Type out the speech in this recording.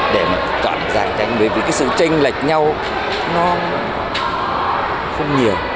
để một toàn dạng tranh bởi vì cái sự tranh lệch nhau nó không nhiều